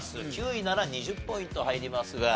９位なら２０ポイント入りますが。